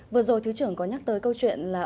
vừa rồi thứ trưởng có nhắc tới câu chuyện là